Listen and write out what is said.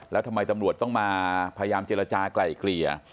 แล้วทำไมตำรวจต้องมาพยายามเจรจากลายเกลี่ย